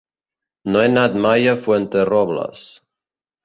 No he anat mai a Fuenterrobles.